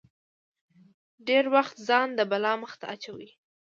ډېری وخت ځان د بلا مخې ته اچوي.